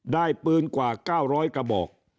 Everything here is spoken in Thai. ปืนกว่า๙๐๐กระบอก